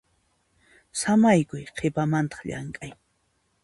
Samaykuy qhipamantaq llamk'ay.